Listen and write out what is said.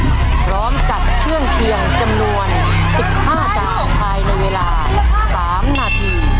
พร้อมจัดเครื่องเคียงจำนวน๑๕จานภายในเวลา๓นาที